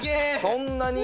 そんなに！？